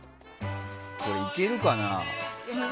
それ、いけるかな？